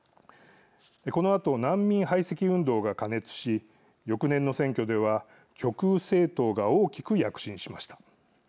このあと、難民排斥運動が過熱し翌年の選挙では極右政党が大きく躍進しました。